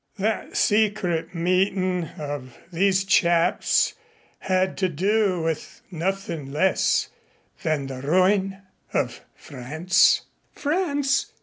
"That secret meetin' of these chaps had to do with nothin' less than the ruin of France " "France!"